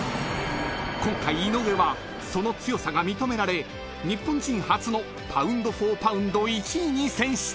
［今回井上はその強さが認められ日本人初のパウンド・フォー・パウンド１位に選出］